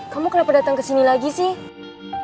kamu kenapa datang ke sini lagi sih